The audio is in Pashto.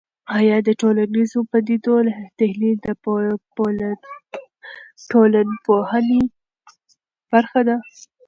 آیا د ټولنیزو پدیدو تحلیل د ټولنپوهنې برخه ده؟